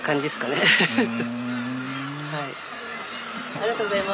ありがとうございます。